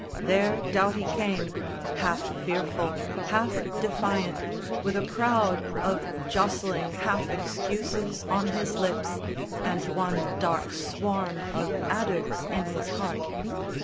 There Doughty came, Half fearful, half defiant, with a crowd Of jostling half excuses on his lips, And one dark swarm of adders in his heart.